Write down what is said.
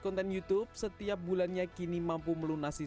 konten youtube setiap bulannya kini mampu melunasi